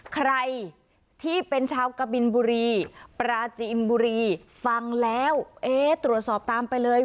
ใครที่เป็นชาวกะบินบุรีปราจินบุรีฟังแล้วเอ๊ะตรวจสอบตามไปเลย